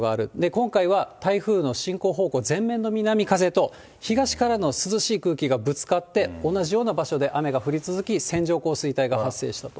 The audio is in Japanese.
今回は台風の進行方向前面の南風と東からの涼しい空気がぶつかって、同じような場所で雨が降り続き、線状降水帯が発生したと。